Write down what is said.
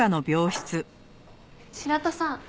白土さん